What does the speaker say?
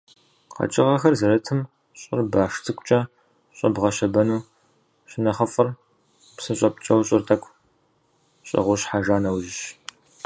Къэкӏыгъэхэр зэрытым щӏыр баш цӏыкӏукӏэ щыбгъэщэбэну щынэхъыфӏыр псы щӏэпкӏэу щӏыр тӏэкӏу щӏэгъущхьэжа нэужьщ.